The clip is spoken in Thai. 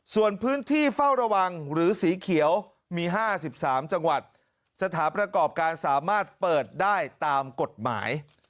ส่วนพื้นที่เฝ้าระวังหรือสีเขียวมี๕๓จังหวัดสถานประกอบการสามารถเปิดได้ตามกฎหมาย